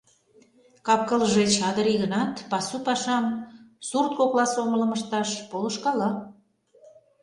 Кап-кылже чадыри гынат, пасу пашам, сурт кокла сомылым ышташ полышкала.